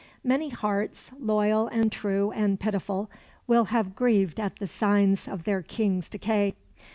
Many hearts, loyal and true and pitiful, will have grieved at the signs of their King's decay.